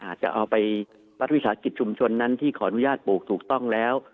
อาจจะเอาไปรัฐวิสาหกิจชุมชนนั้นที่ขออนุญาตปลูกถูกต้องแล้ว